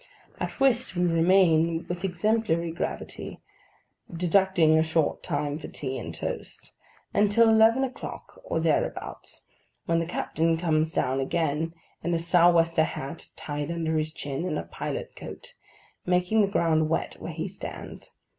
At whist we remain with exemplary gravity (deducting a short time for tea and toast) until eleven o'clock, or thereabouts; when the captain comes down again, in a sou' wester hat tied under his chin, and a pilot coat: making the ground wet where he stands.